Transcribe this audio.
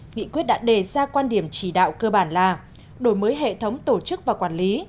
nghị quyết đã đề ra quan điểm chỉ đạo cơ bản là đổi mới hệ thống tổ chức và quản lý